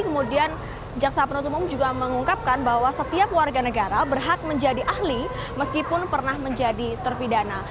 kemudian jaksa penuntut umum juga mengungkapkan bahwa setiap warga negara berhak menjadi ahli meskipun pernah menjadi terpidana